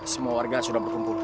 semua warga sudah berkumpul